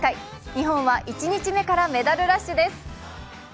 日本は一日目からメダルラッシュです。